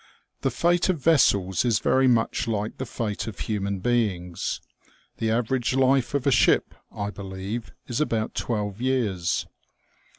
The fate of vessels is very much like the fate of human beings. The average life of a ship, I believe, is about twelve years.